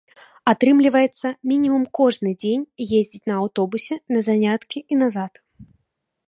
Атрымліваецца, мінімум кожны дзень ездзіць на аўтобусе на заняткі і назад.